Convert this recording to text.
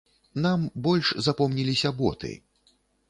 Нам больш запомніліся боты.